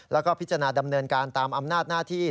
แล้วก็พิจารณาดำเนินการตามอำนาจหน้าที่